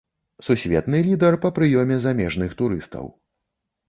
Сусветны лідар па прыёме замежных турыстаў.